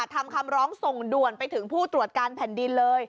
คำร้องส่งด่วนไปถึงผู้ตรวจการแผ่นดินเลย